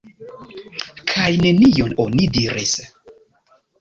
Kaj nenion oni diris.